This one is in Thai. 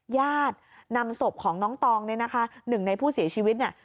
ญาตินำศพของน้องตองเนี่ยนะคะหนึ่งในผู้เสียชีวิตเนี่ย